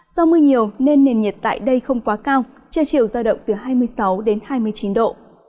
do mưa nhiều nên nền nhiệt tại đây không quá cao trời chiều ra động từ hai mươi sáu hai mươi chín độ